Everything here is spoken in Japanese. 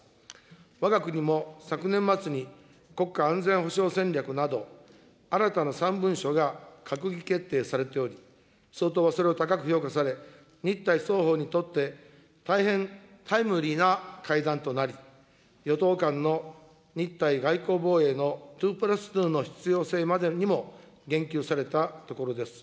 わが国も昨年末に国家安全保障戦略など新たな３文書が閣議決定されており、総統はそれを高く評価され、日台双方にとって、大変タイムリーな会談となり、与党間の日台外交防衛の２プラス２の必要性までにも言及されたところです。